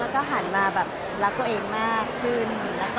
แล้วก็หันมาแบบรักตัวเองมากขึ้น